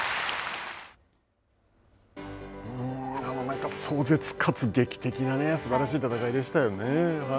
なんか、壮絶かつ劇的なすばらしい戦いでしたよね。